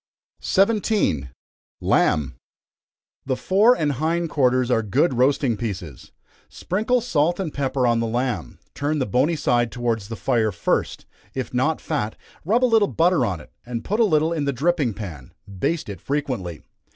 17. Lamb. The fore and hind quarters are good roasting pieces. Sprinkle salt and pepper on the lamb, turn the bony side towards the fire first; if not fat, rub a little butter on it, and put a little in the dripping pan; baste it frequently.